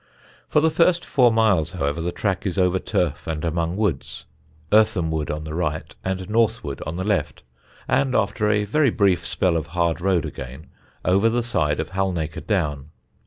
For the first four miles, however, the track is over turf and among woods, Eartham Wood on the right and North Wood on the left, and, after a very brief spell of hard road again, over the side of Halnaker Down.